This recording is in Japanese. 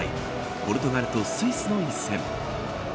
ポルトガルとスイスの一戦。